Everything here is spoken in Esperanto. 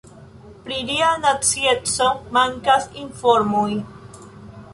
Pri lia nacieco mankas informoj.